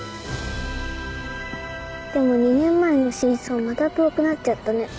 でも２年前の真相また遠くなっちゃったね。